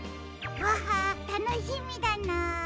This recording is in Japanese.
わたのしみだな。